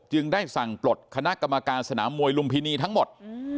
ได้สั่งปลดคณะกรรมการสนามมวยลุมพินีทั้งหมด